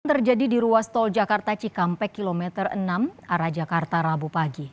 terjadi di ruas tol jakarta cikampek kilometer enam arah jakarta rabu pagi